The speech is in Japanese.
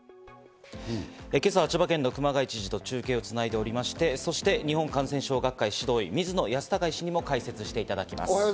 今朝は千葉県の熊谷知事と中継をつないでおりまして、そして日本感染症学会・指導医、水野泰孝医師にも解説していただきます。